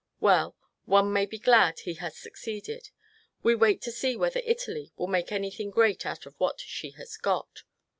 Well, one may be glad he has succeeded. We wait to see whether Italy will make any thing great out of what she has got.